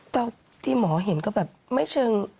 ที่หมอเห็นก็แบบไม่เชิง